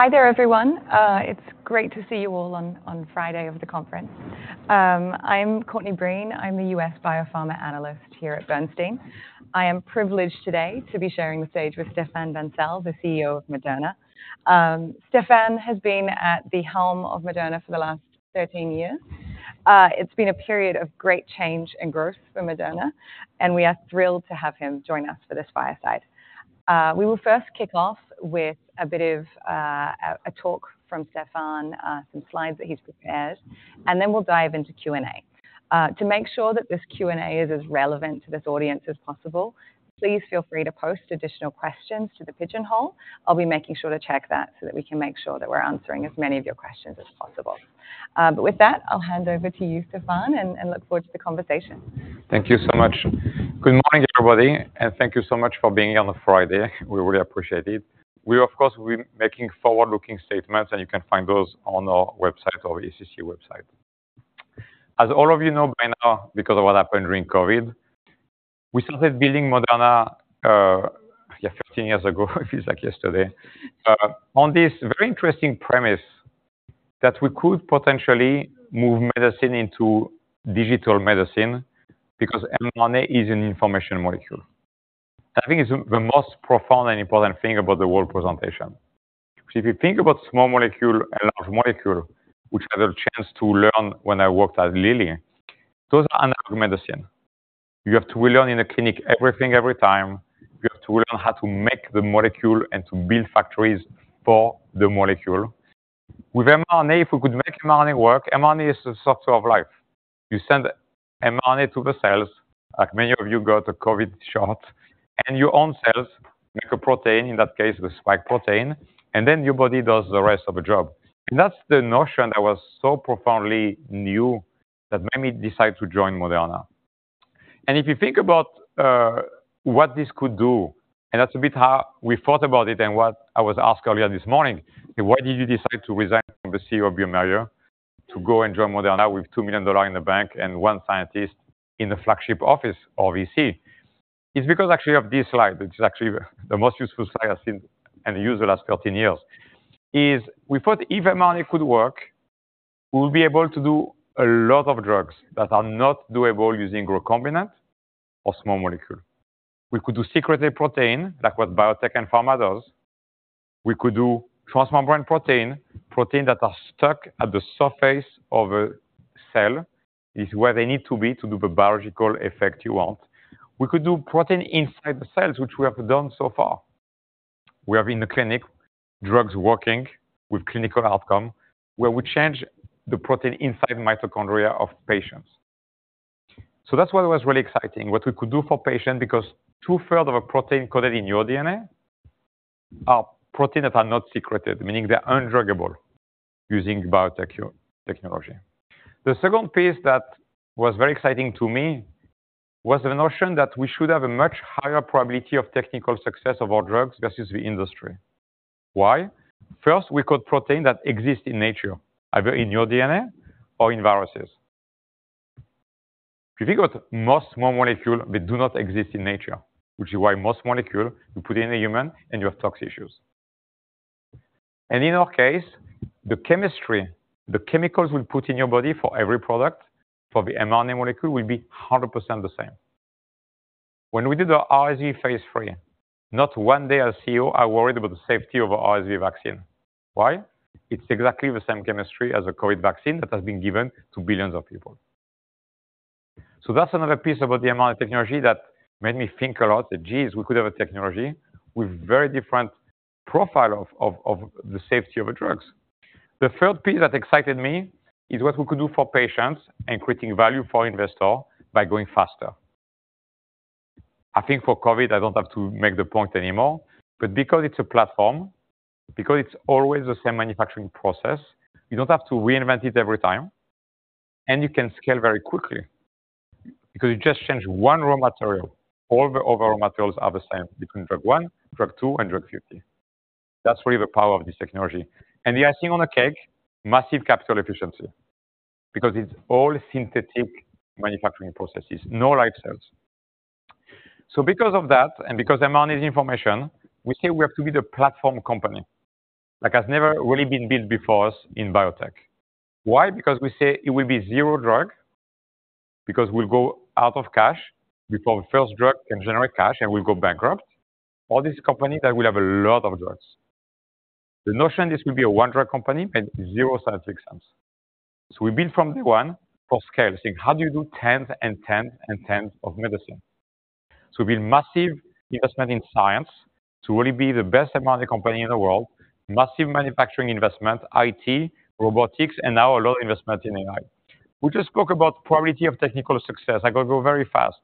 Hi there, everyone. It's great to see you all on Friday of the conference. I'm Courtney Breen. I'm a U.S. biopharma analyst here at Bernstein. I am privileged today to be sharing the stage with Stéphane Bancel, the CEO of Moderna. Stéphane has been at the helm of Moderna for the last 13 years. It's been a period of great change and growth for Moderna, and we are thrilled to have him join us for this fireside. We will first kick off with a bit of a talk from Stéphane, some slides that he's prepared, and then we'll dive into Q&A. To make sure that this Q&A is as relevant to this audience as possible, please feel free to post additional questions to the Pigeonhole. I'll be making sure to check that, so that we can make sure that we're answering as many of your questions as possible. But with that, I'll hand over to you, Stéphane, and, and look forward to the conversation. Thank you so much. Good morning, everybody, and thank you so much for being here on a Friday. We really appreciate it. We, of course, will be making forward-looking statements, and you can find those on our website or ECC website. As all of you know by now, because of what happened during COVID, we started building Moderna, yeah, 13 years ago. It feels like yesterday on this very interesting premise that we could potentially move medicine into digital medicine because mRNA is an information molecule. I think it's the most profound and important thing about the whole presentation. So if you think about small molecule and large molecule, which I had a chance to learn when I worked at Lilly, those are analog medicine. You have to relearn in the clinic everything every time. You have to learn how to make the molecule and to build factories for the molecule. With mRNA, if we could make mRNA work, mRNA is the source of life. You send mRNA to the cells, like many of you got a COVID shot, and your own cells make a protein, in that case, the spike protein, and then your body does the rest of the job. And that's the notion that was so profoundly new that made me decide to join Moderna. If you think about what this could do, and that's a bit how we thought about it and what I was asked earlier this morning, "Why did you decide to resign from the CEO of bioMérieux to go and join Moderna with $2 million in the bank and one scientist in the flagship office of VC?" It's because actually of this slide, which is actually the most useful slide I've seen and used the last 13 years. Is we thought if mRNA could work, we'll be able to do a lot of drugs that are not doable using recombinant or small molecule. We could do secreted protein, like what BioNTech and pharma does. We could do transmembrane protein. Protein that are stuck at the surface of a cell, is where they need to be to do the biological effect you want. We could do protein inside the cells, which we have done so far. We have in the clinic, drugs working with clinical outcome, where we change the protein inside the mitochondria of patients. So that's why it was really exciting, what we could do for patients, because 2/3 of a protein coded in your DNA are protein that are not secreted, meaning they're undruggable using biotech technology. The second piece that was very exciting to me was the notion that we should have a much higher probability of technical success of our drugs versus the industry. Why? First, we code protein that exists in nature, either in your DNA or in viruses. If you think about most small molecule, they do not exist in nature, which is why most molecule you put in a human, and you have tox issues. And in our case, the chemistry, the chemicals we put in your body for every product, for the mRNA molecule, will be 100% the same. When we did the RSV phase III, not one day as CEO, I worried about the safety of our RSV vaccine. Why? It's exactly the same chemistry as a COVID vaccine that has been given to billions of people. So that's another piece about the mRNA technology that made me think a lot that, geez, we could have a technology with very different profile of the safety of the drugs. The third piece that excited me is what we could do for patients and creating value for investor by going faster. I think for COVID, I don't have to make the point anymore, but because it's a platform, because it's always the same manufacturing process, you don't have to reinvent it every time, and you can scale very quickly. Because you just change one raw material. All the other raw materials are the same between drug 1, drug 2, and drug 50. That's really the power of this technology. And the icing on the cake, massive capital efficiency, because it's all synthetic manufacturing processes, no life cells. So because of that, and because mRNA is information, we say we have to be the platform company, like has never really been built before us in biotech. Why? Because we say it will be zero drug, because we'll go out of cash before the first drug can generate cash, and we'll go bankrupt. All these companies that will have a lot of drugs. The notion, this will be a one-drug company and zero scientific sense. So we build from day one for scale, saying: How do you do 10 and 10 and 10 of medicine? So we build massive investment in science to really be the best mRNA company in the world, massive manufacturing investment, IT, robotics, and now a lot of investment in AI. We just spoke about probability of technical success. I got to go very fast.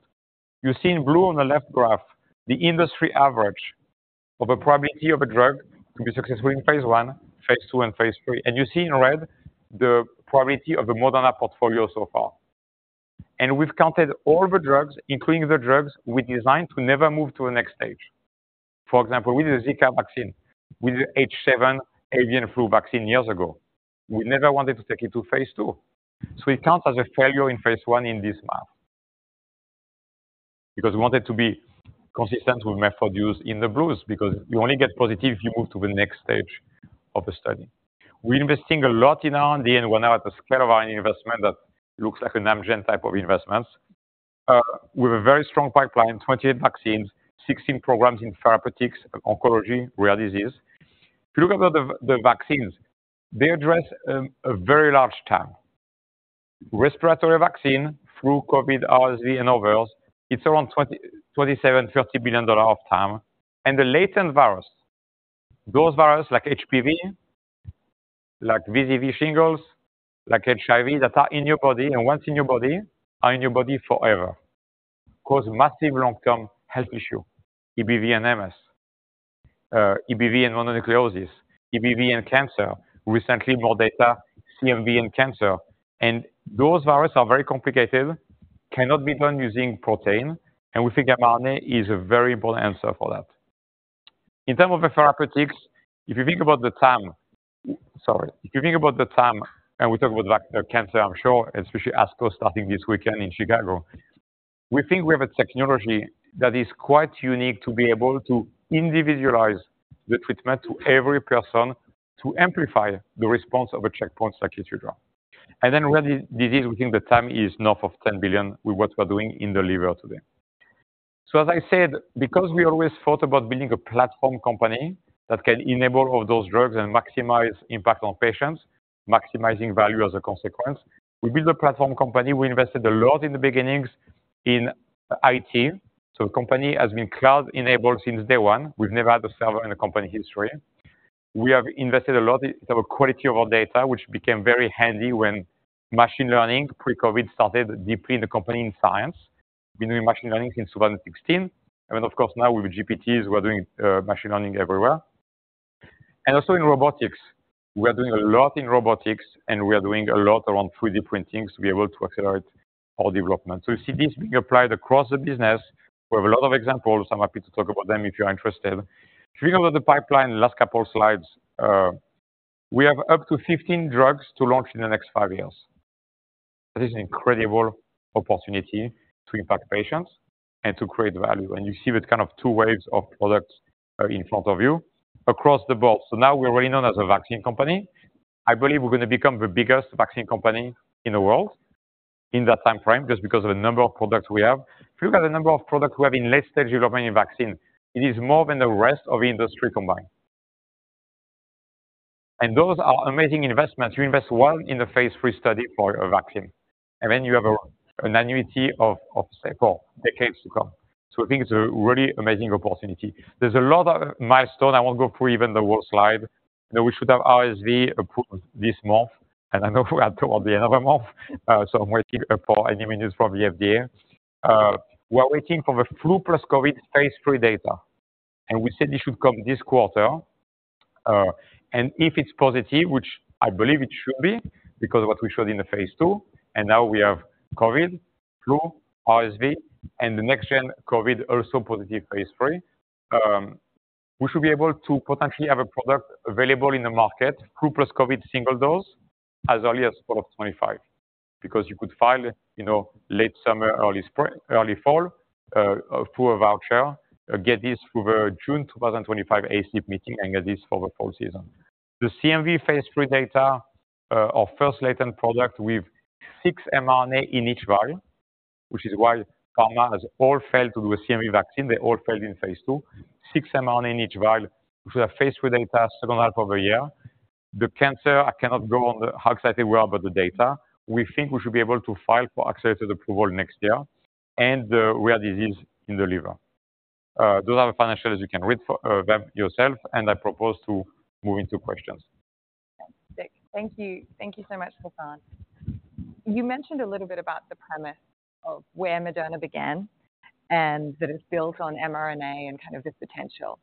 You see in blue on the left graph, the industry average of a probability of a drug to be successful in phase I, phase II, and phase III. And you see in red the probability of the Moderna portfolio so far. And we've counted all the drugs, including the drugs we designed to never move to the next stage. For example, with the Zika vaccine, with the H7 avian flu vaccine years ago, we never wanted to take it to phase II. So it count as a failure in phase I in this map, because we want it to be consistent with method used in the blues, because you only get positive, you move to the next stage of the study. We're investing a lot in R&D, and we're now at the scale of our investment that looks like an Amgen type of investments. With a very strong pipeline, 28 vaccines, 16 programs in therapeutics, oncology, rare disease. If you look at the vaccines, they address a very large TAM. Respiratory vaccine through COVID, RSV, and others, it's around 2027, $30 billion of TAM. The latent virus, those virus like HPV, like VZV shingles, like HIV, that are in your body, and once in your body, are in your body forever, cause massive long-term health issue. EBV and MS, EBV and mononucleosis, EBV and cancer. Recently, more data, CMV and cancer. And those virus are very complicated, cannot be done using protein, and we think mRNA is a very important answer for that. In terms of the therapeutics, if you think about the TAM... Sorry. If you think about the TAM, and we talk about cancer, I'm sure, especially ASCO starting this weekend in Chicago. We think we have a technology that is quite unique to be able to individualize the treatment to every person, to amplify the response of a checkpoint like Keytruda. And then rare disease, we think the TAM is north of $10 billion with what we're doing in the liver today. So as I said, because we always thought about building a platform company that can enable all those drugs and maximize impact on patients, maximizing value as a consequence, we build a platform company. We invested a lot in the beginnings in IT, so the company has been cloud-enabled since day one. We've never had a server in the company history. We have invested a lot in the quality of our data, which became very handy when machine learning, pre-COVID, started deeply in the company, in science. We've been doing machine learning since 2016, and of course, now with GPT, we're doing machine learning everywhere. And also in robotics. We are doing a lot in robotics, and we are doing a lot around 3D printing to be able to accelerate our development. So you see this being applied across the business. We have a lot of examples. I'm happy to talk about them if you're interested. If you look at the pipeline, last couple of slides, we have up to 15 drugs to launch in the next five years. That is an incredible opportunity to impact patients and to create value. And you see that kind of two waves of products, in front of you across the board. So now we're already known as a vaccine company. I believe we're gonna become the biggest vaccine company in the world in that time frame, just because of the number of products we have. If you look at the number of products we have in late-stage development in vaccine, it is more than the rest of the industry combined. And those are amazing investments. You invest well in the phase III study for a vaccine, and then you have an annuity of, say, four decades to come. So I think it's a really amazing opportunity. There's a lot of milestone. I won't go through even the whole slide. I know we should have RSV approved this month, and I know we're towards the end of the month, so I'm waiting for any minutes from the FDA. We're waiting for the flu plus COVID phase III data, and we said it should come this quarter. If it's positive, which I believe it should be, because of what we showed in the phase II, and now we have COVID, flu, RSV, and the next-gen COVID, also positive phase III. We should be able to potentially have a product available in the market, flu plus COVID single dose, as early as fall of 2025, because you could file, you know, late summer, early fall, for a voucher, get this through the June 2025 ACIP meeting, and get this for the fall season. The CMV phase III data, our first latent product with six mRNA in each vial, which is why partners have all failed to do a CMV vaccine. They all failed in phase II. Six mRNA in each vial, which are phase III data, second half of the year. The cancer, I cannot go on the—how excited we are about the data. We think we should be able to file for accelerated approval next year, and the rare disease in the liver. Those are the financials. You can read for them yourself, and I propose to move into questions. Thank you. Thank you so much, Stéphane. You mentioned a little bit about the premise of where Moderna began, and that it's built on mRNA and kind of its potential.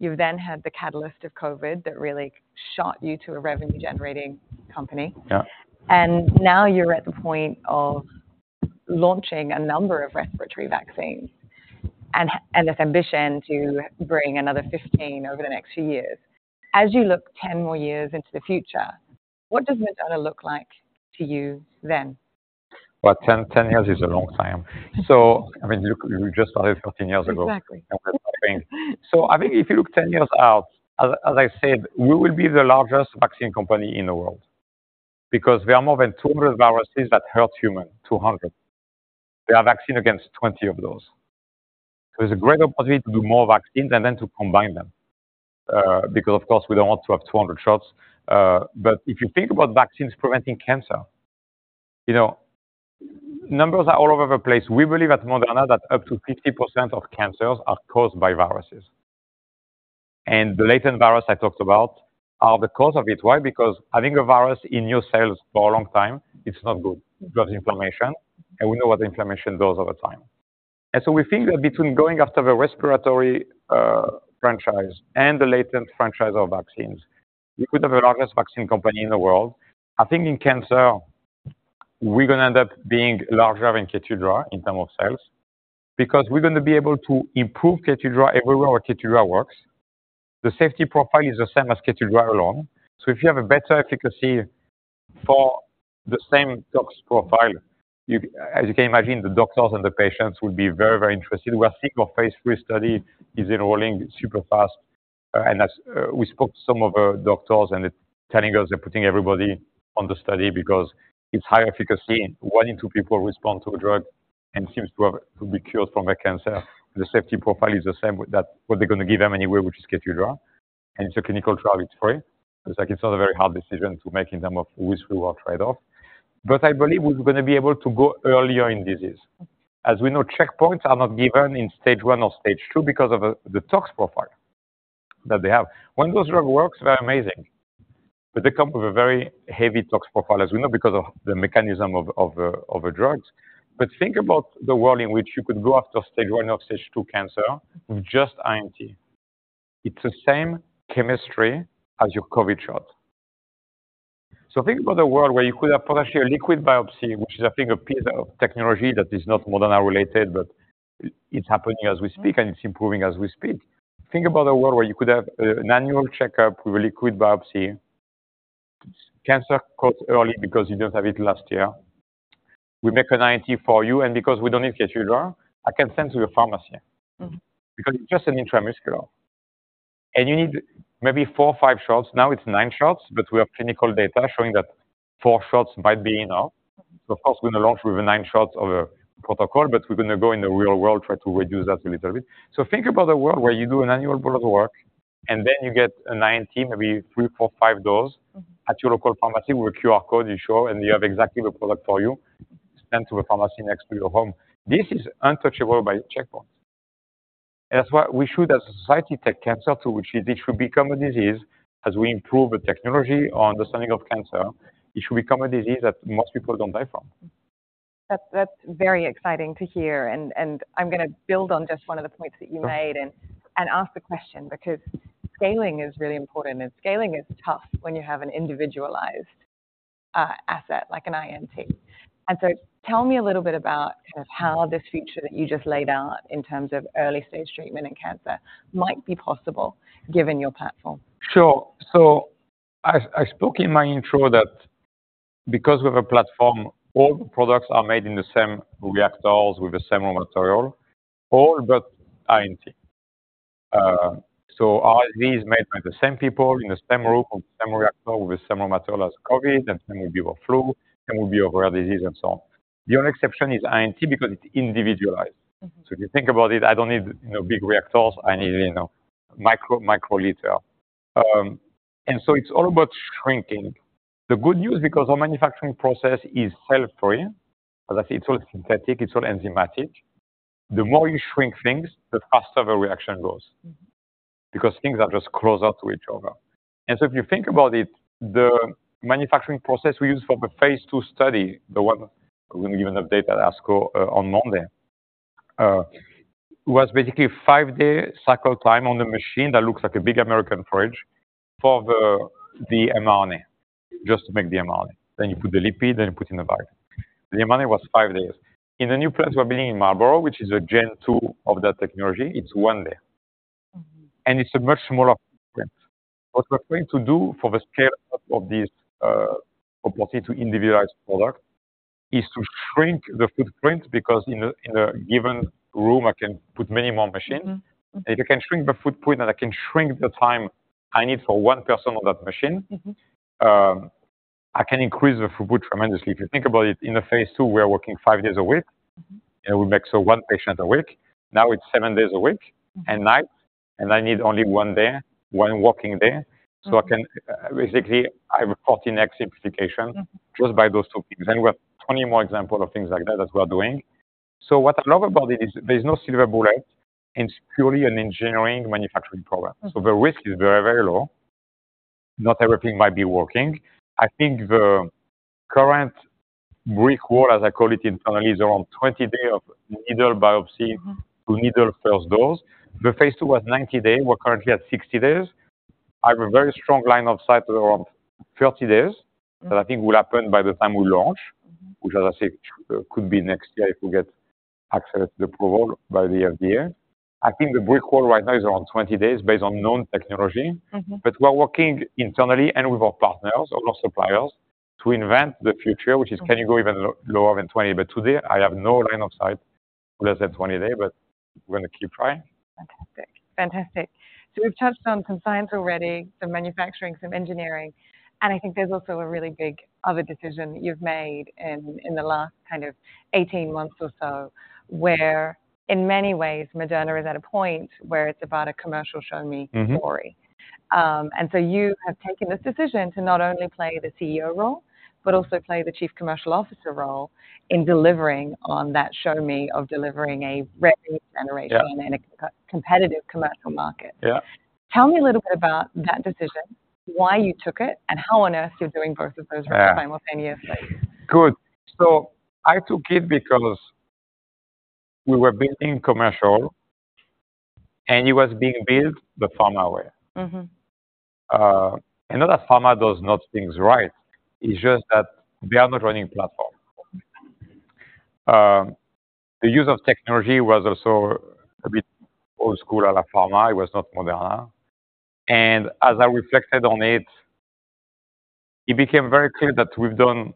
You've then had the catalyst of COVID that really shot you to a revenue-generating company. Yeah. And now you're at the point of launching a number of respiratory vaccines and this ambition to bring another 15 over the next few years. As you look 10 more years into the future, what does Moderna look like to you then? Well, 10, 10 years is a long time. So, I mean, look, we just started 13 years ago. Exactly. So I think if you look 10 years out, as I said, we will be the largest vaccine company in the world because there are more than 200 viruses that hurt human, 200. There are vaccine against 20 of those. There's a great opportunity to do more vaccines and then to combine them, because, of course, we don't want to have 200 shots. But if you think about vaccines preventing cancer, you know, numbers are all over the place. We believe at Moderna that up to 50% of cancers are caused by viruses, and the latent virus I talked about are the cause of it. Why? Because having a virus in your cells for a long time, it's not good. It causes inflammation, and we know what inflammation does over time. And so we think that between going after the respiratory franchise and the latent franchise of vaccines, we could have the largest vaccine company in the world. I think in cancer, we're gonna end up being larger than Keytruda in terms of sales, because we're gonna be able to improve Keytruda everywhere where Keytruda works. The safety profile is the same as Keytruda alone. So if you have a better efficacy for the same tox profile, you, as you can imagine, the doctors and the patients would be very, very interested. We are seeing our phase III study is enrolling super fast, and as we spoke to some of our doctors, and they're telling us they're putting everybody on the study because it's high efficacy. One in two people respond to a drug and seems to be cured from a cancer. The safety profile is the same with that. What they're gonna give them anyway, which is Keytruda, and it's a clinical trial, it's free. It's like, it's not a very hard decision to make in terms of risk-reward trade-off. But I believe we're gonna be able to go earlier in disease. As we know, checkpoints are not given in stage 1 or stage 2 because of the tox profile that they have. When those drugs work, they're amazing, but they come with a very heavy tox profile, as we know, because of the mechanism of the drugs. But think about the world in which you could go after stage 1 or stage 2 cancer with just INT. It's the same chemistry as your COVID shot. So think about a world where you could have potentially a liquid biopsy, which is, I think, a piece of technology that is not Moderna related, but it's happening as we speak, and it's improving as we speak. Think about a world where you could have a, an annual checkup with a liquid biopsy, cancer caught early because you didn't have it last year. We make an INT for you, and because we don't need Keytruda drug, I can send to your pharmacy. Mm-hmm. Because it's just an intramuscular, and you need maybe four or five shots. Now it's nine shots, but we have clinical data showing that four shots might be enough. So of course, we're going to launch with the nine shots of a protocol, but we're gonna go in the real world, try to reduce that a little bit. So think about a world where you do an annual blood work, and then you get a INT, maybe three, four, five dose at your local pharmacy with a QR code you show, and you have exactly the product for you sent to a pharmacy next to your home. This is untouchable by checkpoints. And that's why we should, as a society, take cancer to which it should become a disease as we improve the technology or understanding of cancer, it should become a disease that most people don't die from. That's, that's very exciting to hear, and I'm gonna build on just one of the points that you made and ask the question, because scaling is really important, and scaling is tough when you have an individualized asset like an INT. And so tell me a little bit about kind of how this future that you just laid out in terms of early stage treatment in cancer might be possible, given your platform. Sure. So I spoke in my intro that because we have a platform, all the products are made in the same reactors with the same material, all but INT. So RSV is made by the same people in the same room, of the same reactor, with the same material as COVID, and then will be our flu, and will be our rare disease, and so on. The only exception is INT, because it's individualized. Mm-hmm. So if you think about it, I don't need, you know, big reactors. I need, you know, micro, microliter. And so it's all about shrinking. The good news, because our manufacturing process is cell free, as I say, it's all synthetic, it's all enzymatic. The more you shrink things, the faster the reaction goes, because things are just closer to each other. And so if you think about it, the manufacturing process we use for the phase II study, the one we're going to give an update at ASCO, on Monday, was basically five-day cycle time on the machine that looks like a big American fridge for the, the mRNA, just to make the mRNA. Then you put the lipid, and you put in the vial. The mRNA was five days. In the new plant we're building in Marlborough, which is a gen two of that technology, it's one day. Mm-hmm. It's a much smaller print. What we're going to do for the scale of this property to individualized product is to shrink the footprint, because in a given room, I can put many more machines. Mm-hmm. If I can shrink the footprint, and I can shrink the time I need for one person on that machine- Mm-hmm. I can increase the throughput tremendously. If you think about it, in the phase II, we are working five days a week, and we make so one patient a week. Now it's seven days a week and night, and I need only one day, one working day. Mm-hmm. Basically, I have a 14x simplification- Mm-hmm. Just by those two things. Then we have 20 more examples of things like that, that we're doing. So what I love about it is there's no silver bullet. It's purely an engineering manufacturing program. Mm-hmm. So the risk is very, very low. Not everything might be working. I think the current brick wall, as I call it, internally, is around 20-day needle biopsy- Mm-hmm. -to needle first dose. The phase II was 90 day. We're currently at 60 days. I have a very strong line of sight around 30 days- Mm-hmm. -that I think will happen by the time we launch, which, as I said, could be next year, if we get accepted approval by the FDA. I think the brick wall right now is around 20 days, based on known technology. Mm-hmm. But we're working internally and with our partners or our suppliers to invent the future, which is- Mm-hmm. Can you go even lower than 20? But today I have no line of sight less than 20 days, but we're gonna keep trying. Fantastic. Fantastic. So we've touched on some science already, some manufacturing, some engineering, and I think there's also a really big other decision that you've made in, in the last kind of 18 months or so, where in many ways, Moderna is at a point where it's about a commercial show me story. Mm-hmm. And so you have taken this decision to not only play the CEO role, but also play the Chief Commercial Officer role in delivering on that show me of delivering a revenue generation- Yeah. and a competitive commercial market. Yeah. Tell me a little bit about that decision, why you took it, and how on earth you're doing both of those simultaneously? Good. So I took it because we were building commercial, and it was being built the pharma way. Mm-hmm. And not that pharma does not things right. It's just that they are not running a platform. The use of technology was also a bit old school à la pharma. It was not Moderna. And as I reflected on it, it became very clear that we've done;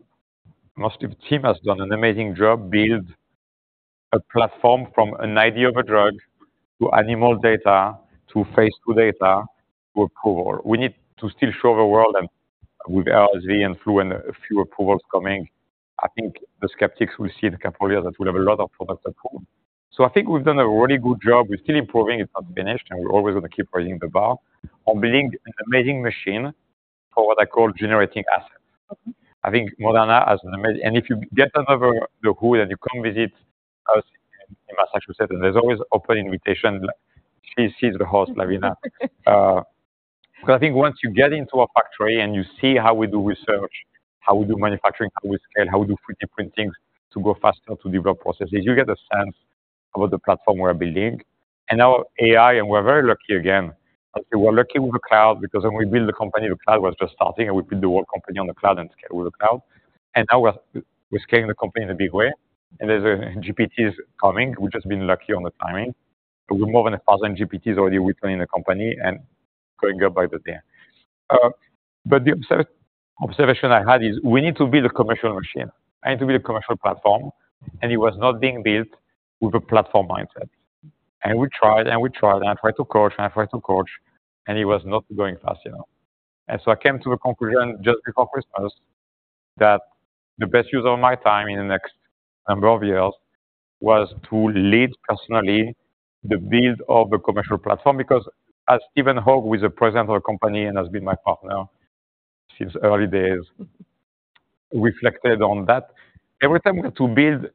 most of the team has done an amazing job, build a platform from an idea of a drug to animal data, to phase II data, to approval. We need to still show the world and with RSV and flu and a few approvals coming, I think the skeptics will see in a couple of years that we'll have a lot of products approved. So I think we've done a really good job. We're still improving, it's not finished, and we're always going to keep raising the bar on building an amazing machine for what I call generating assets. I think Moderna has an amazing—and if you get another look who, and you come visit us in Massachusetts, and there's always open invitation. Like, she's the host, Lavina. So I think once you get into our factory and you see how we do research, how we do manufacturing, how we scale, how we do three different things to go faster, to develop processes, you get a sense about the platform we're building. And now AI, and we're very lucky again. Actually, we're lucky with the cloud, because when we build the company, the cloud was just starting, and we built the whole company on the cloud and scale with the cloud. And now we're scaling the company in a big way, and there's a GPTs coming. We've just been lucky on the timing. We're more than 1,000 GPTs already working in the company and going up by the day. But the observation I had is we need to build a commercial machine and to build a commercial platform, and it was not being built with a platform mindset. And we tried, and we tried, and I tried to coach, and I tried to coach, and it was not going fast enough. And so I came to the conclusion just before Christmas, that the best use of my time in the next number of years was to lead personally the build of the commercial platform, because as Stephen Hoge, who is the president of the company and has been my partner since early days, reflected on that, every time we had to build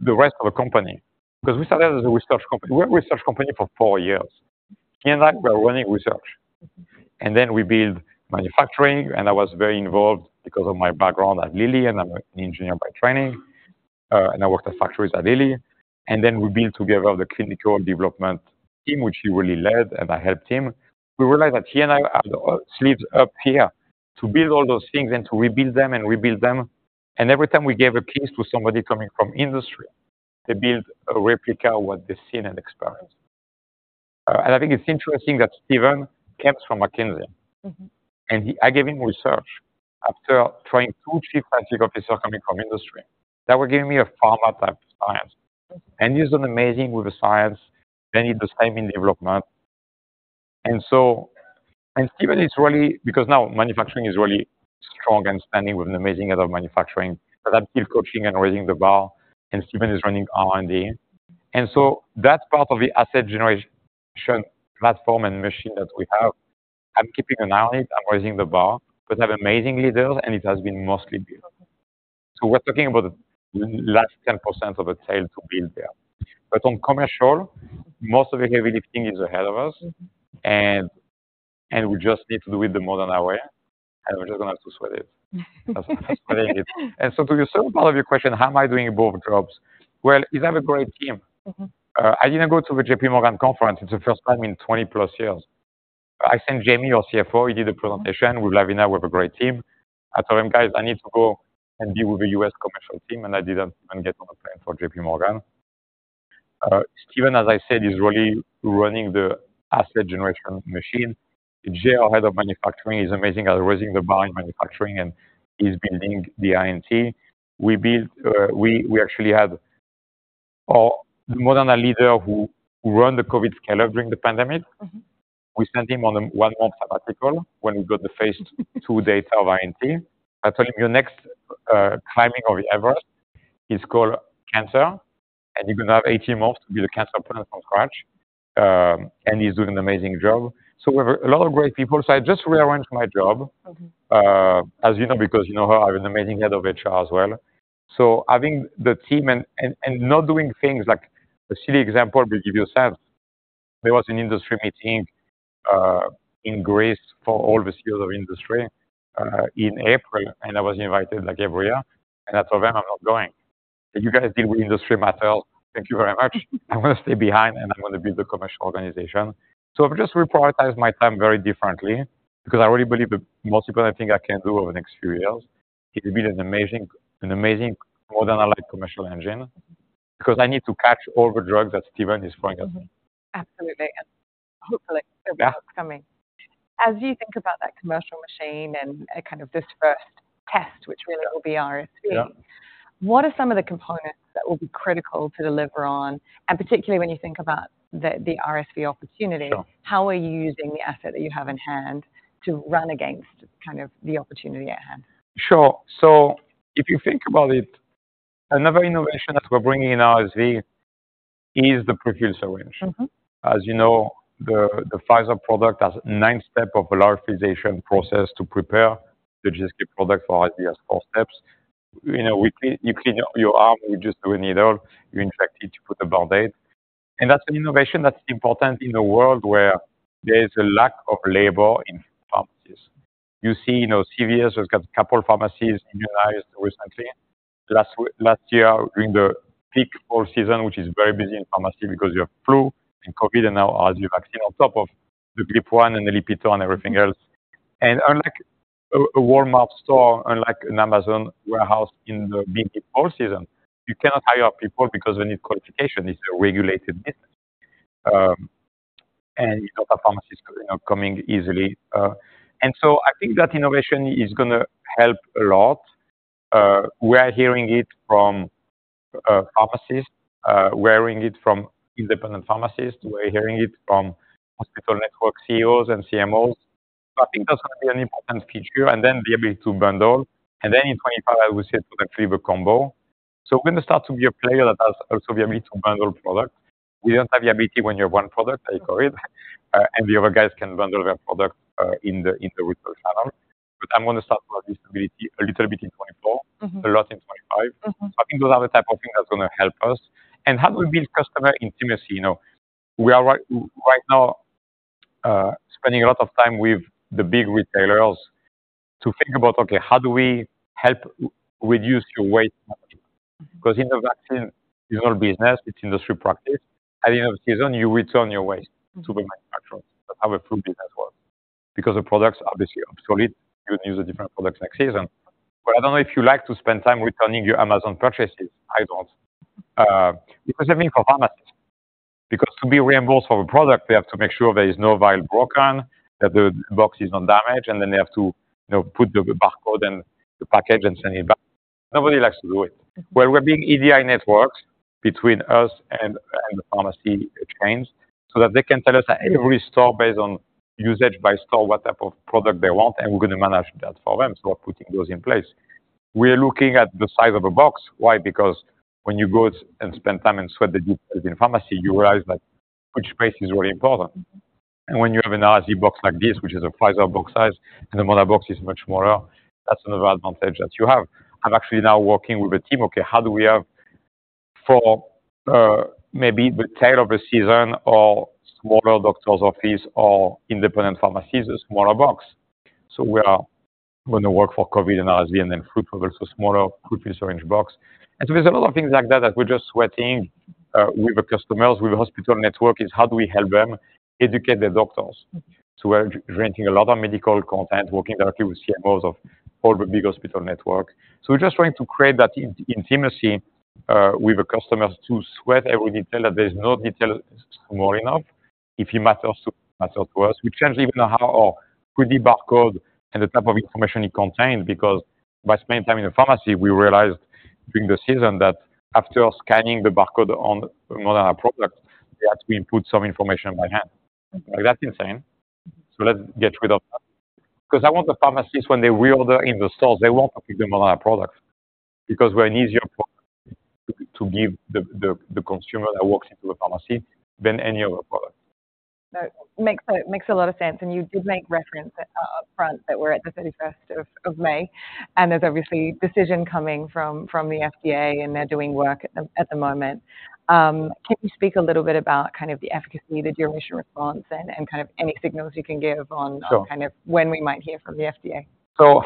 the rest of the company, because we started as a research company. We're a research company for four years. He and I were running research, and then we build manufacturing, and I was very involved because of my background at Lilly, and I'm an engineer by training, and I worked at factories at Lilly. And then we built together the clinical development team, which he really led, and I helped him. We realized that he and I had our sleeves up here to build all those things and to rebuild them and rebuild them. And every time we gave a piece to somebody coming from industry, they build a replica of what they've seen and experienced. And I think it's interesting that Stephen comes from McKinsey. Mm-hmm. And he—I gave him research after trying two chief scientific officers coming from industry that were giving me a pharma type of science, and he's done amazing with the science, and he did the same in development. And Stephen is really, because now manufacturing is really strong and standing with an amazing head of manufacturing, but I'm still coaching and raising the bar, and Stephen is running R&D. And so that's part of the asset generation platform and machine that we have. I'm keeping an eye on it, I'm raising the bar, but I have amazing leaders, and it has been mostly built. So we're talking about the last 10% of the tail to build there. But on commercial, most of the heavy lifting is ahead of us, and we just need to do it the Moderna way, and we're just gonna have to sweat it. Sweating it. And so to the second part of your question, how am I doing both jobs? Well, is I have a great team. Mm-hmm. I didn't go to the JP Morgan conference. It's the first time in 20+ years. I sent Jamie, our CFO. He did a presentation with Lavina. We have a great team. I told him, "Guys, I need to go and be with the US commercial team," and I didn't even get on a plane for JP Morgan. Stephen, as I said, is really running the asset generation machine. Jerh, our head of manufacturing, is amazing at raising the bar in manufacturing, and he's building the INT. We build. We actually have our Moderna leader who run the COVID scale up during the pandemic. Mm-hmm. We sent him on a one-month sabbatical when we got the phase II data of INT. I told him, "Your next climbing of Everest is called cancer, and you're gonna have 18 months to build a cancer product from scratch." And he's doing an amazing job. So we have a lot of great people. So I just rearranged my job. Mm-hmm. As you know, because you know her, I have an amazing head of HR as well. So having the team and not doing things like a silly example, but give you a sense. There was an industry meeting in Greece for all the CEOs of industry in April, and I was invited, like, every year. And I told them, "I'm not going. You guys deal with industry matters. Thank you very much. I'm gonna stay behind, and I'm gonna build the commercial organization." So I've just reprioritized my time very differently because I really believe the most important thing I can do over the next few years is to build an amazing, an amazing Moderna-like commercial engine, because I need to catch all the drugs that Stephen is throwing at me. Mm-hmm. Absolutely, and hopefully- Yeah It's coming. As you think about that commercial machine and kind of this first test, which really will be RSV. Yeah. What are some of the components that will be critical to deliver on? And particularly when you think about the RSV opportunity? Sure. How are you using the asset that you have in hand to run against kind of the opportunity at hand? Sure. So if you think about it, another innovation that we're bringing in RSV is the prefusion approach. Mm-hmm. As you know, the Pfizer product has nine-step lyophilization process to prepare. The GSK product for RSV has four steps. You know, we clean. You clean up your arm, you just do a needle, you're injected, you put a Band-Aid. And that's an innovation that's important in a world where there is a lack of labor in pharmacies. You see, you know, CVS has got a couple pharmacies unionized recently. Last week, last year, during the peak fall season, which is very busy in pharmacy because you have flu and COVID, and now RSV vaccine on top of the GLP-1 and Eliquis and everything else. And unlike a Walmart store, unlike an Amazon warehouse in the busy fall season, you cannot hire people because they need qualification. It's a regulated business. You know, pharmacies, you know, coming easily. And so I think that innovation is gonna help a lot. We are hearing it from pharmacists, we're hearing it from independent pharmacists. We're hearing it from hospital network CEOs and CMOs. I think that's gonna be an important feature, and then the ability to bundle. And then in 2025, I would say it's actually the combo. So we're gonna start to be a player that has also the ability to bundle products. We don't have the ability when you have one product, like COVID, and the other guys can bundle their product in the retail channel. But I'm gonna start with this ability a little bit in 2024- Mm-hmm. -a lot in 2025. Mm-hmm. I think those are the type of things that's gonna help us. How do we build customer intimacy? You know, we are right now spending a lot of time with the big retailers to think about, okay, how do we help reduce your waste? Because in the vaccine usual business, it's industry practice. At the end of season, you return your waste to the manufacturer. That's how we proved it as well. Because the products obviously obsolete, you use a different product next season. But I don't know if you like to spend time returning your Amazon purchases. I don't. Because I mean, for pharmacists, because to be reimbursed for a product, they have to make sure there is no vial broken, that the box is not damaged, and then they have to, you know, put the barcode in the package and send it back. Nobody likes to do it. Well, we're building EDI networks between us and the pharmacy chains, so that they can tell us that every store, based on usage by store, what type of product they want, and we're gonna manage that for them. So we're putting those in place. We are looking at the size of a box. Why? Because when you go out and spend time and sweat in the pharmacy, you realize that space is really important. And when you have an RSV box like this, which is a Pfizer box size, and the Moderna box is much smaller, that's another advantage that you have. I'm actually now working with a team, okay, how do we have for, maybe the tail of a season or smaller doctor's office or independent pharmacies, a smaller box. So we are gonna work on COVID and RSV, and then flu products, a smaller footprint or an orange box. And so there's a lot of things like that, that we're just sweating with the customers, with the hospital network, is how do we help them educate their doctors? So we're running a lot of medical content, working directly with CMOs of all the big hospital networks. So we're just trying to create that intimacy with the customers to sweat every detail, that there's no detail small enough. If it matters to them, it matters to us; we changed even how our QR code and the type of information it contained, because by spending time in the pharmacy, we realized during the season that after scanning the barcode on Moderna product, they had to input some information by hand. That's insane. So let's get rid of that. 'Cause I want the pharmacist, when they reorder in the stores, they want to pick the Moderna products, because we're an easier product to give the consumer that walks into a pharmacy than any other product. That makes a lot of sense, and you did make reference upfront that we're at the 31st of May, and there's obviously decision coming from the FDA, and they're doing work at the moment. Can you speak a little bit about kind of the efficacy, the duration response and kind of any signals you can give on- Sure. kind of when we might hear from the FDA? So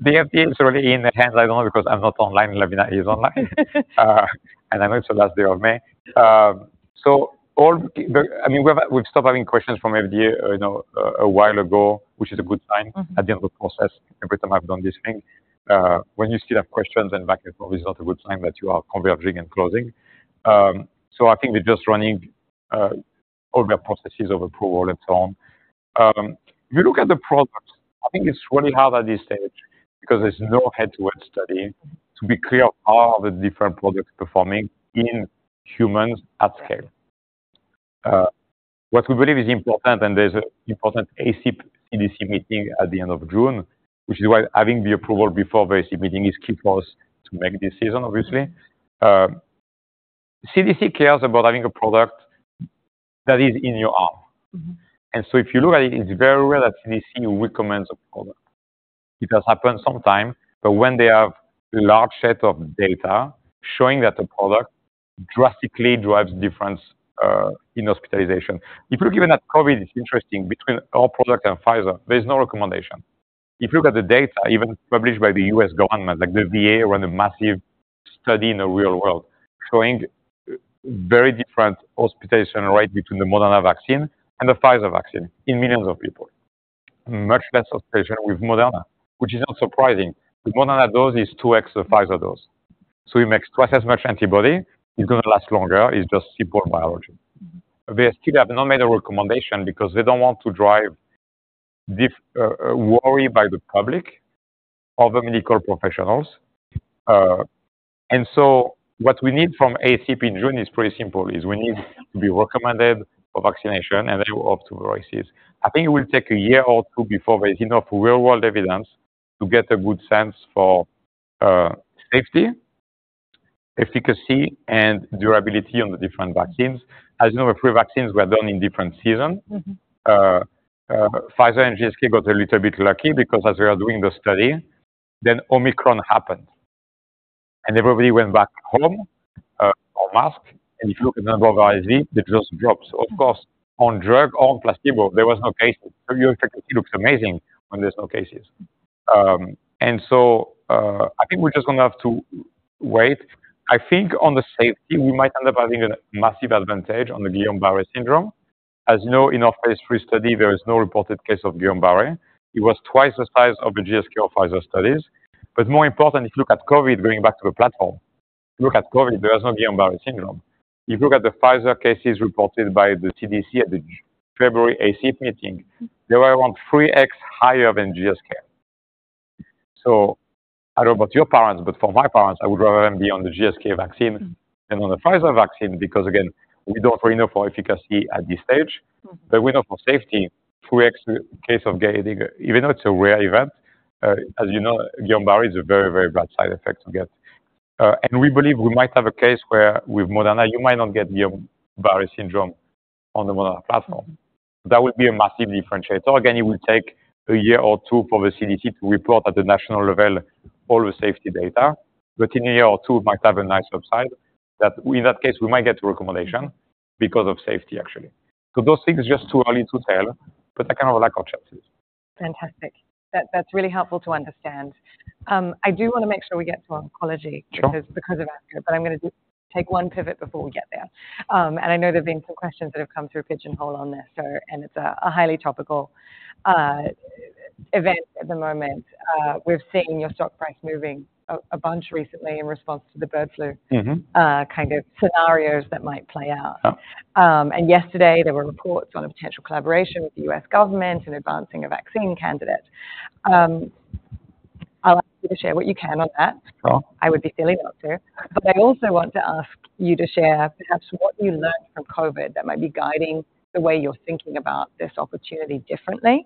the FDA is already in the hands. I don't know, because I'm not online, Lavina is online. And I know it's the last day of May. So all the—I mean, we've stopped having questions from FDA, you know, a while ago, which is a good sign. Mm-hmm. At the end of the process, every time I've done this thing. When you still have questions and back and forth is not a good sign that you are converging and closing. So I think they're just running all their processes of approval and so on. If you look at the products, I think it's really hard at this stage because there's no head-to-head study, to be clear, of all the different products performing in humans at scale. What we believe is important, and there's an important ACIP CDC meeting at the end of June, which is why having the approval before the ACIP meeting is key for us to make this season, obviously. CDC cares about having a product that is in your arm. Mm-hmm. And so if you look at it, it's very rare that CDC recommends a product. It has happened sometime, but when they have a large set of data showing that the product drastically drives difference in hospitalization. If you look even at COVID, it's interesting between our product and Pfizer, there's no recommendation. If you look at the data even published by the U.S. government, like the VA ran a massive study in the real world, showing very different hospitalization rate between the Moderna vaccine and the Pfizer vaccine in millions of people. Much less hospitalization with Moderna, which is not surprising. The Moderna dose is 2x the Pfizer dose, so it makes twice as much antibody. It's gonna last longer. It's just simple biology. Mm-hmm. They still have not made a recommendation because they don't want to drive diffuse worry by the public or the medical professionals. So what we need from ACIP in June is pretty simple, is we need to be recommended for vaccination, and then up to the physicians. I think it will take a year or two before there's enough real-world evidence to get a good sense for safety, efficacy, and durability on the different vaccines. As you know, the three vaccines were done in different seasons. Mm-hmm. Pfizer and GSK got a little bit lucky because as we are doing the study, then Omicron happened, and everybody went back home, or mask, and if you look at the number of RSV, it just drops. Of course, on drug or on placebo, there was no cases. So your efficacy looks amazing when there's no cases. I think we're just gonna have to wait. I think on the safety, we might end up having a massive advantage on the Guillain-Barré syndrome. As you know, in our phase III study, there is no reported case of Guillain-Barré. It was twice the size of the GSK or Pfizer studies. But more important, if you look at COVID, going back to the platform, look at COVID, there is no Guillain-Barré syndrome. If you look at the Pfizer cases reported by the CDC at the February ACIP meeting, they were around 3x higher than GSK. So I don't know about your parents, but for my parents, I would rather them be on the GSK vaccine than on the Pfizer vaccine, because, again, we don't really know for efficacy at this stage, but we know for safety, 3x case of Guillain-Barré, even though it's a rare event, as you know, Guillain-Barré is a very, very bad side effect to get. And we believe we might have a case where with Moderna, you might not get Guillain-Barré syndrome on the Moderna platform. That would be a massive differentiator. Again, it will take a year or two for the CDC to report at the national level all the safety data, but in a year or two, we might have a nice upside, that in that case, we might get a recommendation because of safety, actually. So those things are just too early to tell, but I kind of like our chances. Fantastic. That, that's really helpful to understand. I do wanna make sure we get to oncology- Sure. -because of ASCO. But I'm gonna take one pivot before we get there. And I know there have been some questions that have come through Pigeonhole on this, so and it's a highly topical event at the moment. We've seen your stock price moving a bunch recently in response to the bird flu- Mm-hmm. kind of scenarios that might play out. Oh. Yesterday there were reports on a potential collaboration with the U.S. government in advancing a vaccine candidate. I'll ask you to share what you can on that. Sure. I would be silly not to. But I also want to ask you to share perhaps what you learned from COVID that might be guiding the way you're thinking about this opportunity differently,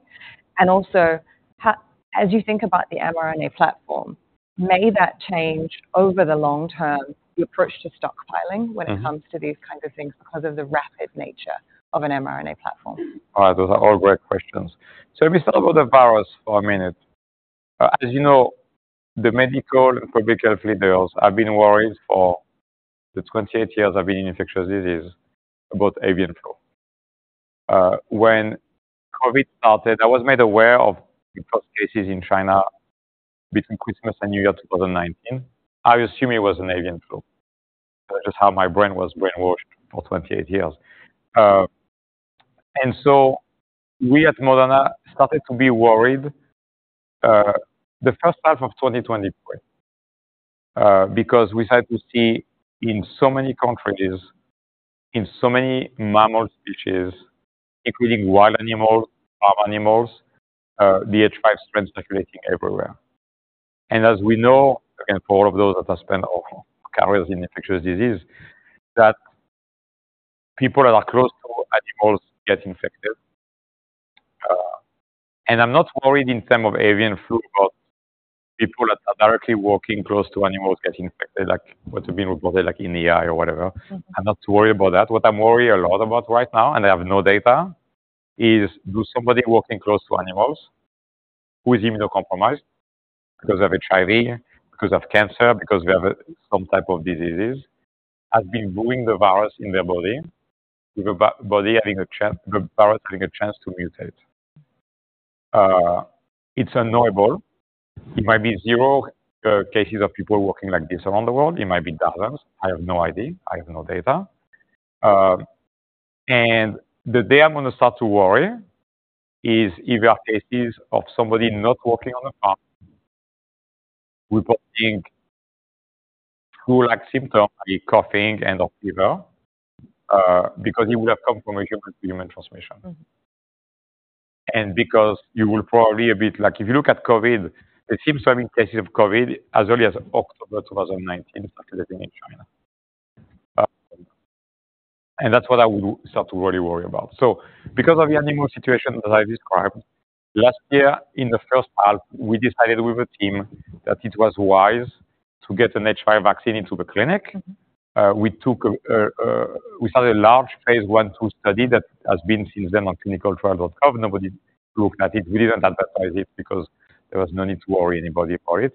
and also, how, as you think about the mRNA platform, may that change over the long term, your approach to stockpiling- Mm. -when it comes to these kind of things because of the rapid nature of an mRNA platform? All right, those are all great questions. So let me start with the virus for a minute. As you know, the medical and public health leaders have been worried for the 28 years I've been in infectious disease about avian flu. When COVID started, I was made aware of the first cases in China between Christmas and New Year, 2019. I assumed it was an avian flu. That's just how my brain was brainwashed for 28 years. And so we at Moderna started to be worried, the first half of 2020, because we had to see in so many countries, in so many mammal species, including wild animals, farm animals, the H5 strain circulating everywhere. As we know, again, for all of those that have spent our careers in infectious disease, that people that are close to animals get infected. I'm not worried in terms of avian flu about people that are directly working close to animals getting infected, like what have been reported, like in the eye or whatever. Mm. I'm not worried about that. What I'm worried a lot about right now, and I have no data, is do somebody working close to animals who is immunocompromised because of HIV, because of cancer, because we have some type of diseases, has been growing the virus in their body, with the virus having a chance to mutate. It's unknowable. It might be zero cases of people working like this around the world. It might be thousands. I have no idea. I have no data. The day I'm gonna start to worry is if there are cases of somebody not working on a farm, reporting flu-like symptoms, like coughing and/or fever, because you will have confirmation with human transmission. Mm-hmm. Because you will probably a bit like... If you look at COVID, it seems to have been cases of COVID as early as October 2019, circulating in China. And that's what I would start to really worry about. So because of the animal situation that I described, last year, in the first half, we decided with the team that it was wise to get an H5 vaccine into the clinic. We started a large phase I/II study that has been since then on ClinicalTrials.gov. Nobody looked at it. We didn't advertise it because there was no need to worry anybody about it.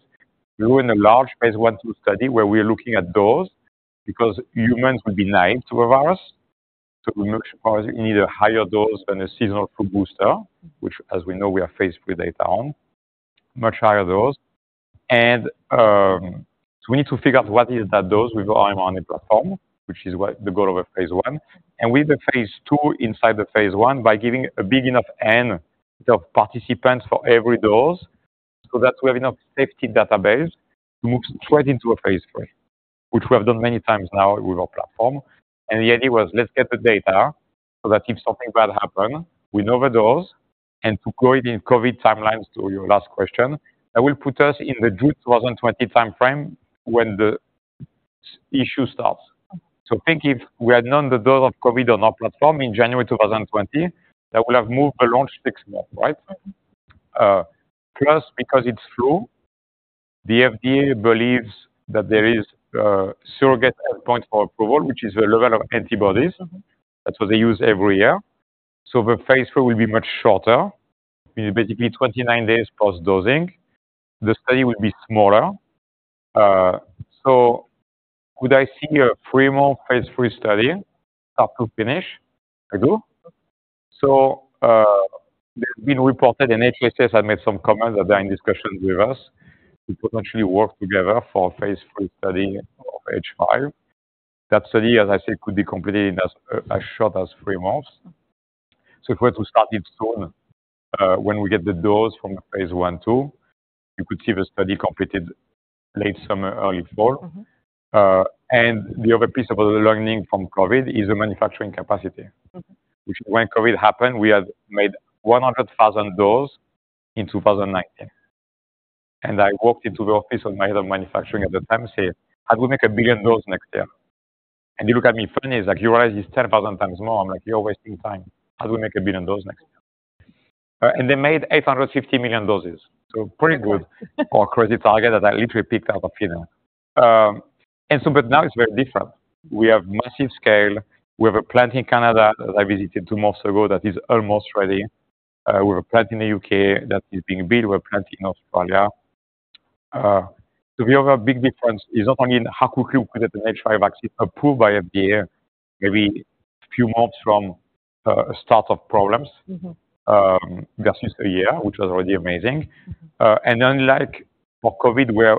We were in a large phase I/II study, where we were looking at dose, because humans would be naive to a virus, so we were not sure if you need a higher dose than a seasonal flu booster, which, as we know, we have phase III data on, much higher dose. So we need to figure out what is that dose with our mRNA platform, which is what the goal of a phase I. With the phase II inside the phase I, by giving a big enough N of participants for every dose, so that we have enough safety database to move straight into a phase III, which we have done many times now with our platform. The idea was, let's get the data, so that if something bad happen, we know the dose. And to go in COVID timelines, to your last question, that will put us in the June 2020 timeframe when the phase III issue starts. So think if we had known the dose of COVID on our platform in January 2020, that would have moved the launch six months, right? Plus, because it's flu, the FDA believes that there is a surrogate endpoint for approval, which is the level of antibodies. Mm-hmm. That's what they use every year. So the phase III will be much shorter, it is basically 29 days post-dosing. The study will be smaller. So would I see a three-month phase III study, start to finish? I do. So, they've been reported, and HHS have made some comments that they're in discussions with us to potentially work together for a phase III study of H5. That study, as I said, could be completed in as short as three months. So if we're to start it soon, when we get the dose from phase I/II, you could see the study completed late summer, early fall. Mm-hmm. The other piece of learning from COVID is the manufacturing capacity. Mm-hmm. Which, when COVID happened, we had made 100,000 doses in 2019. And I walked into the office of my head of manufacturing at the time and said, "How do we make 1 billion doses next year?" And he looked at me funny. He's like, "You realize it's 10,000x more." I'm like: "You're wasting time. How do we make 1 billion doses next year?" And they made 850 million doses, so pretty good for a crazy target that I literally picked out of thin air. And so but now it's very different. We have massive scale. We have a plant in Canada that I visited two months ago that is almost ready. We have a plant in the U.K. that is being built. We have a plant in Australia. So we have a big difference. It's not only in how quickly we get the H5 vaccine approved by FDA, maybe a few months from start of problems- Mm-hmm versus a year, which was already amazing. And unlike for COVID, where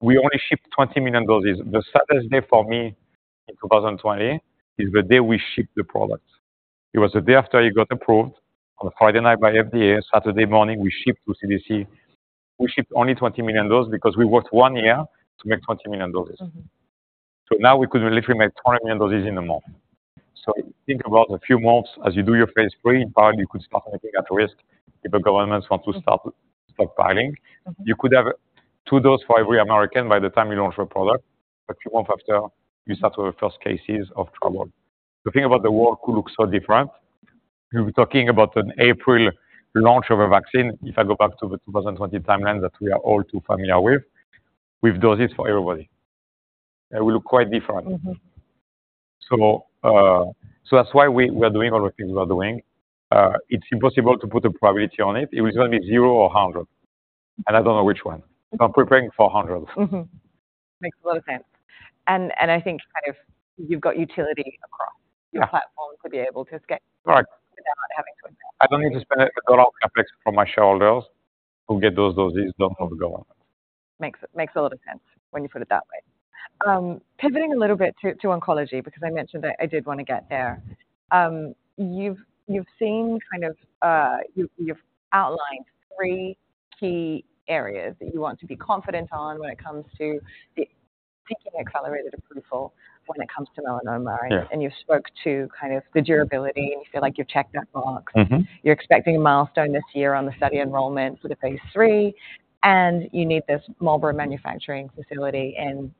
we only shipped 20 million doses, the saddest day for me in 2020 is the day we shipped the product. It was the day after it got approved on a Friday night by FDA. Saturday morning, we shipped to CDC. We shipped only 20 million doses because we worked one year to make 20 million doses. Mm-hmm. So now we could literally make 20 million doses in a month. So think about a few months as you do your phase III, but you could start looking at risk if the governments want to start buying. Mm-hmm. You could have two doses for every American by the time you launch a product. A few months after, you start to have first cases of trouble. To think about the world could look so different, you'll be talking about an April launch of a vaccine, if I go back to the 2020 timeline that we are all too familiar with, with doses for everybody. It will look quite different. Mm-hmm. That's why we're doing all the things we're doing. It's impossible to put a probability on it. It was gonna be 0 or 100, and I don't know which one. Mm-hmm. I'm preparing for 100. Mm-hmm. Makes a lot of sense. And, and I think kind of you've got utility across- Yeah your platform to be able to scale. Right. Without having to invest. I don't need to spend $1 CapEx from my shareholders to get those doses done from the government. Makes a lot of sense when you put it that way. Pivoting a little bit to oncology, because I mentioned that I did wanna get there. You've seen kind of... You've outlined three key areas that you want to be confident on when it comes to the seeking accelerated approval when it comes to melanoma. Yeah. You've spoke to kind of the durability, and you feel like you've checked that box. Mm-hmm. You're expecting a milestone this year on the study enrollment for the phase III, and you need this Marlborough manufacturing facility in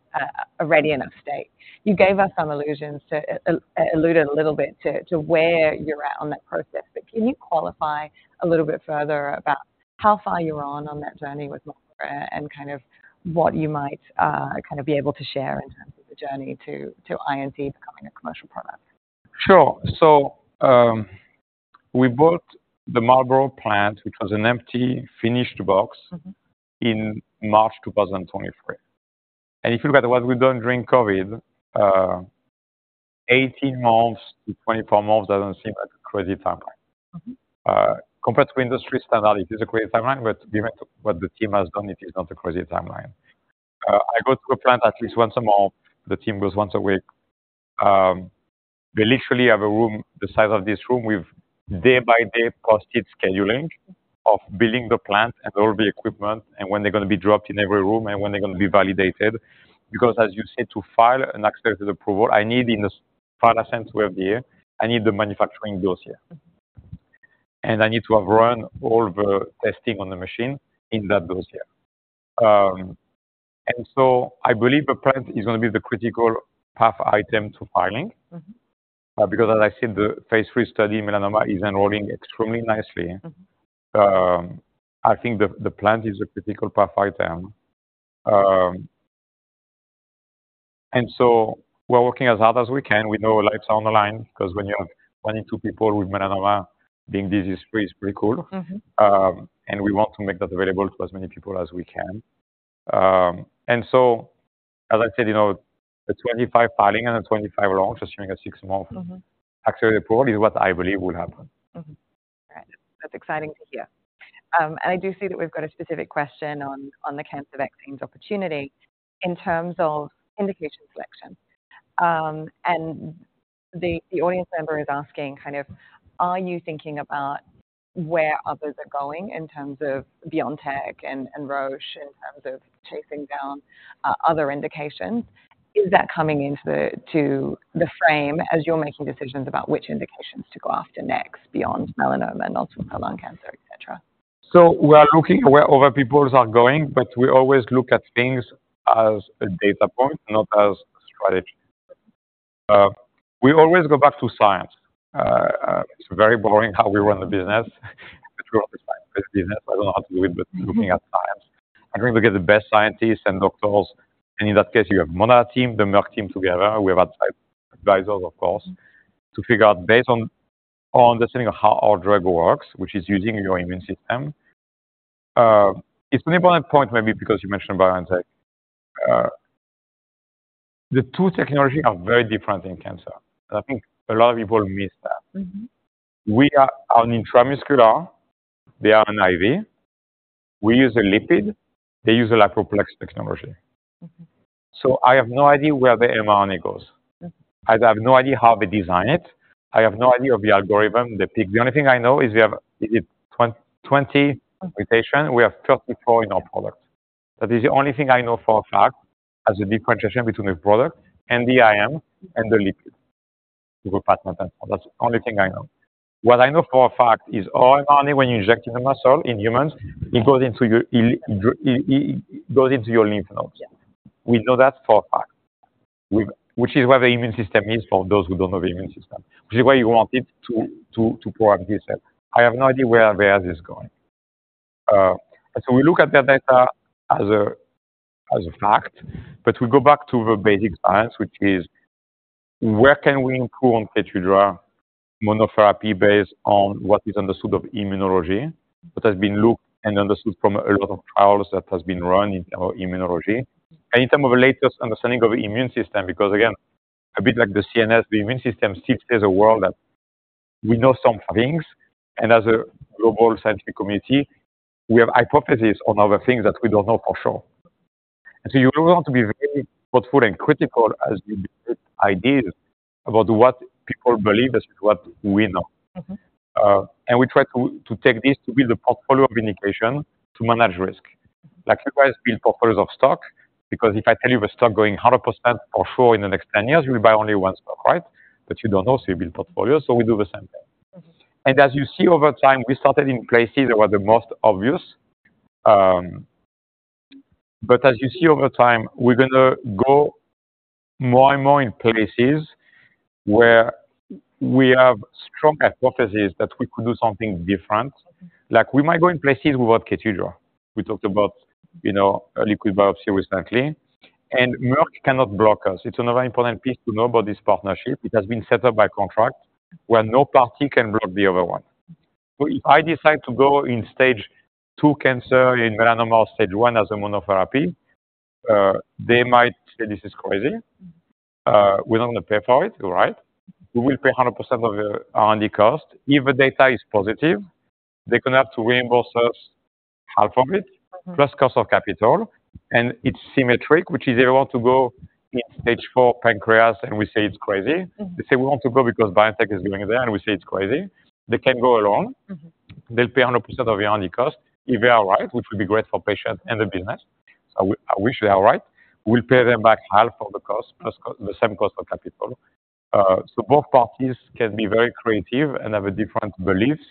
a ready enough state. You gave us some alluded a little bit to where you're at on that process, but can you qualify a little bit further about how far you are on that journey with Marlborough and kind of what you might kind of be able to share in terms of the journey to INT becoming a commercial product? Sure. So, we bought the Marlborough plant, which was an empty, finished box- Mm-hmm in March 2023. And if you look at what we done during COVID, 18 months to 24 months doesn't seem like a crazy timeline. Mm-hmm. Compared to industry standard, it is a crazy timeline, but given what the team has done, it is not a crazy timeline. I go to the plant at least once a month. The team goes once a week. They literally have a room the size of this room with day-by-day posted scheduling of building the plant and all the equipment, and when they're gonna be dropped in every room, and when they're gonna be validated. Because, as you said, to file an accepted approval, I need in the file I sent to FDA, I need the manufacturing dossier. Mm-hmm. I need to have run all the testing on the machine in that dossier. And so I believe the plant is gonna be the critical path item to filing. Mm-hmm. Because as I said, the phase III study, melanoma, is enrolling extremely nicely. Mm-hmm. I think the plant is a critical path item. And so we're working as hard as we can. We know lives are on the line, 'cause when you have 22 people with melanoma, being disease-free is pretty cool. Mm-hmm. And we want to make that available to as many people as we can. And so, as I said, you know, the 25 filing and the 25 launch assuming a six-month- Mm-hmm Accelerated approval is what I believe will happen. Mm-hmm. Right. That's exciting to hear. And I do see that we've got a specific question on the cancer vaccines opportunity in terms of indication selection. And the audience member is asking, kind of, are you thinking about where others are going in terms of BioNTech and Roche, in terms of chasing down other indications? Is that coming into the frame as you're making decisions about which indications to go after next beyond melanoma, non-small cell lung cancer, et cetera? So we are looking at where other people are going, but we always look at things as a data point, not as a strategy. We always go back to science. It's very boring how we run the business, but we're a science-based business. I don't know how to do it, but- Mm-hmm Looking at science. I think we get the best scientists and doctors, and in that case, you have Moderna team, the Merck team together. We have advisors, of course, to figure out based on our understanding of how our drug works, which is using your immune system. It's an important point, maybe because you mentioned BioNTech. The two technologies are very different in cancer. I think a lot of people miss that. Mm-hmm. We are an intramuscular, they are an IV. We use a lipid, they use a Lipoplex technology. Mm-hmm. So I have no idea where the mRNA goes. I have no idea how they design it. I have no idea of the algorithm they pick. The only thing I know is we have it. In 2020 presentation, we have 34 in our product. That is the only thing I know for a fact as a differentiation between the product and the mRNA and the lipid, the partner. That's the only thing I know. What I know for a fact is all mRNA, when you inject in the muscle in humans, it goes into it, it goes into your lymph nodes. Yeah. We know that for a fact, which is where the immune system is, for those who don't know the immune system, which is why you want it to pour out this cell. I have no idea where theirs is going. So we look at their data as a fact, but we go back to the basic science, which is where can we improve on Keytruda monotherapy based on what is understood of immunology, what has been looked and understood from a lot of trials that has been run in our immunology. And in terms of the latest understanding of the immune system, because, again, a bit like the CNS, the immune system still is a world that we know some things, and as a global scientific community, we have hypotheses on other things that we don't know for sure. And so you really want to be very thoughtful and critical as you get ideas about what people believe is what we know. Mm-hmm. We try to take this to build a portfolio of indication to manage risk. Like you guys build portfolios of stock, because if I tell you the stock going 100% for sure in the next 10 years, you will buy only one stock, right? But you don't know, so you build portfolios, so we do the same thing. Mm-hmm. And as you see over time, we started in places that were the most obvious. But as you see over time, we're gonna go more and more in places where we have strong hypotheses that we could do something different. Like, we might go in places without Keytruda. We talked about, you know, a liquid biopsy recently, and Merck cannot block us. It's another important piece to know about this partnership. It has been set up by contract where no party can block the other one. So if I decide to go in stage 2 cancer, in melanoma stage 1 as a monotherapy, they might say, "This is crazy. We don't want to pay for it." You're right. We will pay 100% of the R&D cost. If the data is positive, they gonna have to reimburse us half of it- Mm-hmm. plus cost of capital, and it's symmetric, which is they want to go in stage four pancreas, and we say it's crazy. Mm-hmm. They say, "We want to go because biotech is doing it there," and we say it's crazy. They can go alone. Mm-hmm. They'll pay 100% of the R&D cost. If they are right, which would be great for patients and the business, I wish they are right. We'll pay them back half of the cost, plus the same cost of capital. So both parties can be very creative and have different beliefs.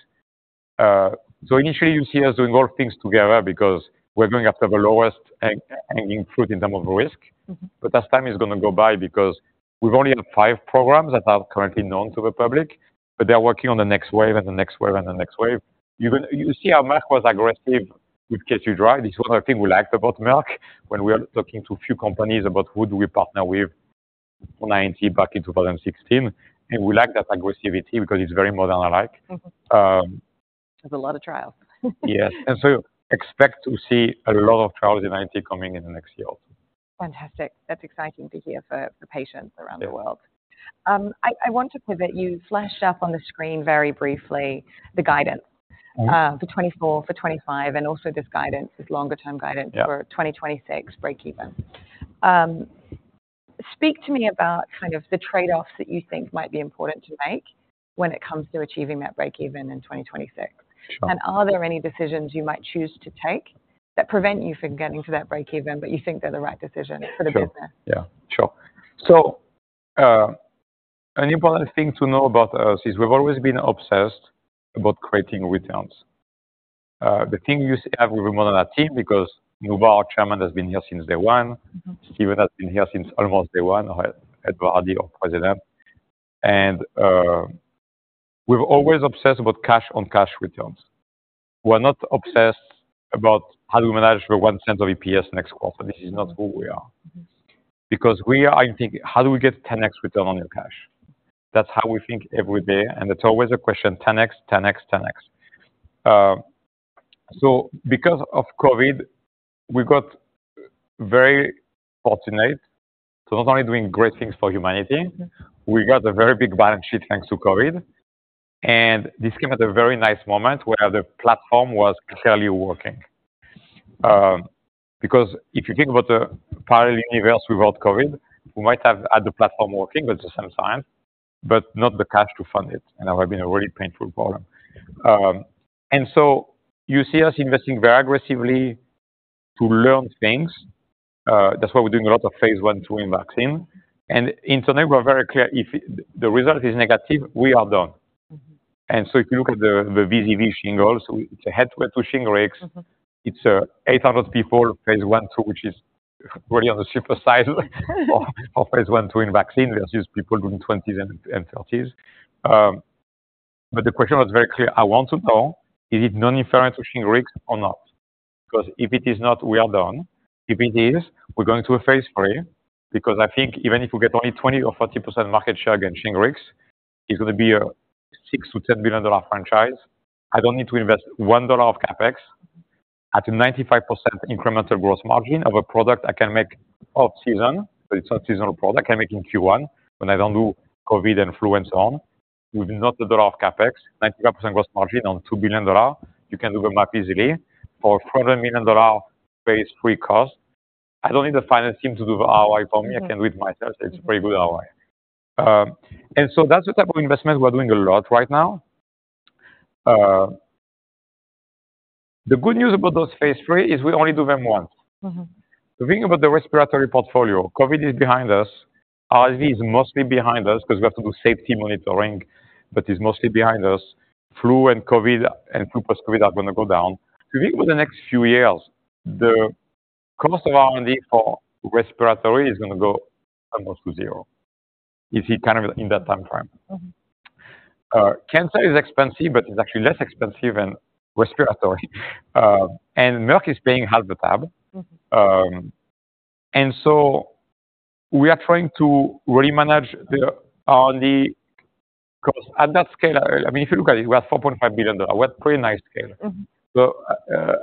So initially, you see us doing all things together because we're going after the lowest hanging fruit in terms of risk. Mm-hmm. But as time is gonna go by, because we've only had five programs that are currently known to the public, but they are working on the next wave and the next wave and the next wave. Even... You see how Merck was aggressive with Keytruda. This is one thing we liked about Merck when we were talking to a few companies about who do we partner with for INT back in 2016, and we like that aggressivity because it's very more than I like. Mm-hmm. Um- There's a lot of trials. Yes. And so expect to see a lot of trials in INT coming in the next year also. Fantastic. That's exciting to hear for patients around the world. Yeah. I want to pivot. You flashed up on the screen very briefly, the guidance- Mm-hmm. for 2024, for 2025, and also this guidance, this longer term guidance- Yeah... for 2026 breakeven. Speak to me about kind of the trade-offs that you think might be important to make when it comes to achieving that breakeven in 2026. Sure. Are there any decisions you might choose to take that prevent you from getting to that breakeven, but you think they're the right decision for the business? Sure. Yeah, sure. So, an important thing to know about us is we've always been obsessed about creating returns. The thing you see everyone on our team, because Noubar, our chairman, has been here since day one. Mm-hmm. Stephen has been here since almost day one, our president. And, we're always obsessed about cash on cash returns. We're not obsessed about how do we manage the one cent of EPS next quarter. This is not who we are. Mm-hmm. Because we are thinking, how do we get 10x return on your cash? That's how we think every day, and it's always a question, 10x, 10x, 10x. So because of COVID, we got very fortunate. So not only doing great things for humanity- Mm-hmm. We got a very big balance sheet thanks to COVID, and this came at a very nice moment where the platform was clearly working. Because if you think about the parallel universe without COVID, we might have had the platform working, but at the same time, but not the cash to fund it, and that would have been a really painful problem. And so you see us investing very aggressively to learn things. That's why we're doing a lot of phase I/II in vaccines. And in general, we're very clear, if the result is negative, we are done. Mm-hmm. And so if you look at the VZV Shingles, it's a head-to-head to Shingrix. Mm-hmm. It's 800 people, phase I/II, which is really on the super size for phase I/II in vaccine versus people doing 20s and 30s. But the question was very clear: I want to know, is it noninferior to Shingrix or not? Because if it is not, we are done. If it is, we're going to a phase III, because I think even if we get only 20% or 40% market share against Shingrix, it's gonna be a $6 billion-$10 billion franchise. I don't need to invest $1 of CapEx at a 95% incremental gross margin of a product I can make off season, so it's not seasonal product. I can make in Q1, when I don't do COVID and flu, and so on, with not $1 of CapEx, 95% gross margin on $2 billion. You can do the math easily. For $400 million phase III cost, I don't need the finance team to do the ROI for me, I can read it myself. It's a very good ROI. And so that's the type of investment we're doing a lot right now. The good news about those phase III is we only do them once. Mm-hmm. The thing about the respiratory portfolio, COVID is behind us. RSV is mostly behind us because we have to do safety monitoring, but it's mostly behind us. Flu and COVID, and flu post-COVID are gonna go down. If you look over the next few years, the cost of R&D for respiratory is gonna go almost to zero. You see kind of in that timeframe. Mm-hmm. Cancer is expensive, but it's actually less expensive than respiratory. Merck is paying half the tab. Mm-hmm. And so we are trying to really manage the R&D cost. At that scale, I mean, if you look at it, we have $4.5 billion. We have pretty nice scale. Mm-hmm. So,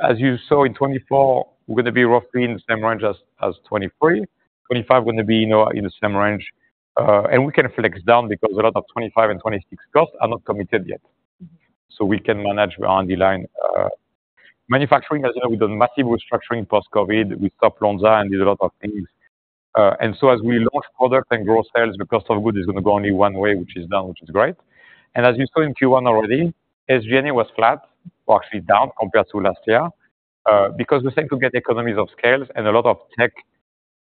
as you saw in 2024, we're gonna be roughly in the same range as 2023. 2025, we're gonna be, you know, in the same range. And we can flex down because a lot of 2025 and 2026 costs are not committed yet. So we can manage R&D line. Manufacturing, as you know, we've done massive restructuring post-COVID. We stopped Lonza and did a lot of things. And so as we launch products and grow sales, the cost of goods is gonna go only one way, which is down, which is great. And as you saw in Q1 already, SG&A was flat or actually down compared to last year, because we're starting to get economies of scale and a lot of tech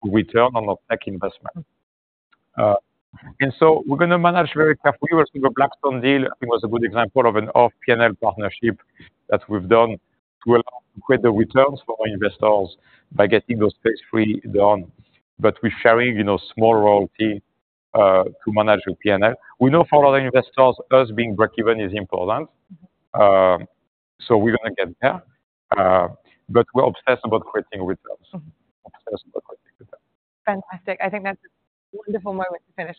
return on our tech investment. And so we're gonna manage very carefully. We're seeing the Blackstone deal, I think, was a good example of an off P&L partnership that we've done to allow greater returns for our investors by getting those phase III done. But we're sharing, you know, small royalty, to manage the P&L. We know for our investors, us being breakeven is important, so we're gonna get there. But we're obsessed about creating returns. Mm-hmm. Obsessed about creating returns. Fantastic. I think that's a wonderful way to finish.